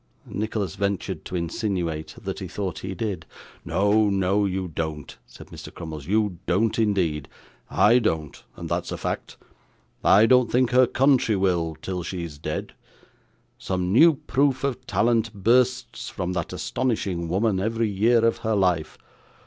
Nicholas ventured to insinuate that he thought he did. 'No, no, you don't,' said Mr. Crummles; 'you don't, indeed. I don't, and that's a fact. I don't think her country will, till she is dead. Some new proof of talent bursts from that astonishing woman every year of her life.